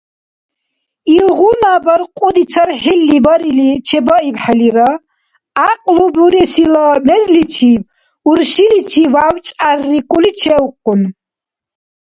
Илгъуна баркьуди цархӀилли барили чебаибхӀелира, гӀякьлу буресила мерличиб, уршиличи вяв-чӀярикӀули чевхъун.